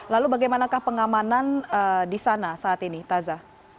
lalu bagaimanakah pengamanan di sana saat ini taza